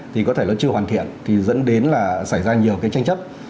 thì có thể nó chưa hoàn thiện thì dẫn đến là xảy ra nhiều cái tranh chấp